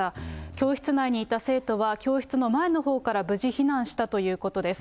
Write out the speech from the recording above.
教室内にいた生徒は、教室の前のほうから無事避難したということです。